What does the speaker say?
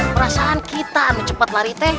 perasaan kita cepet lari teh